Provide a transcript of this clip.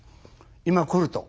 今来ると。